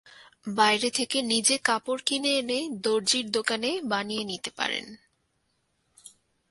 বাইরে থেকে নিজে কাপড় কিনে এনে দরজির দোকানে বানিয়ে নিতে পারেন।